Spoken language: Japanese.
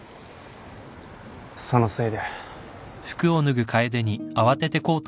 そのせいで。